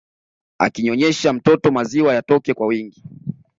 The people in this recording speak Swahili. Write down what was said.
Akinyonyesha mtoto maziwa yatoke kwa wingi